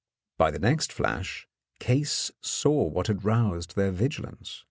By the next flash Case saw what had roused their vigilance.